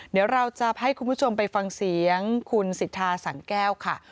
เดี๋ยวเราจะให้คุณผู้ชมไปฟังเสียงคุณสิทธาสังแก้วค่ะ